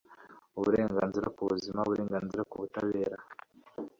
uburenganzira ku buzima uburenganzira ku butabera